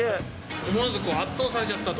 思わず圧倒されちゃったと？